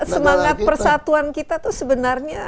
semangat persatuan kita itu sebenarnya